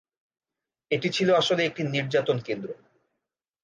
এটি ছিল আসলে একটি নির্যাতন কেন্দ্র।